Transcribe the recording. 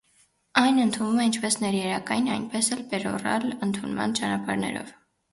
Այն ընդունվում է ինչպես ներերակային, այնպես էլ պերօռալ ընդունման ճանապարհներով։